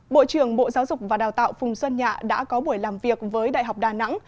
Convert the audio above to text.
bộ trưởng bộ giáo dục và đào tạo phùng xuân nhạ đã có buổi làm việc với đại học đà nẵng